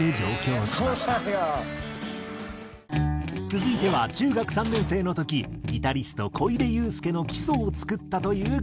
続いては中学３年生の時ギタリスト小出祐介の基礎を作ったという楽曲。